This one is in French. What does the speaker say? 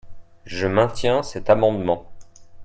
Je maintiens cet amendement.